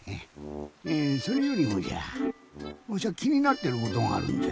えぇそれよりもじゃぁわしゃきになってることがあるんじゃ。